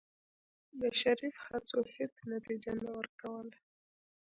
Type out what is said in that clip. د شريف هڅو هېڅ نتيجه نه ورکوله.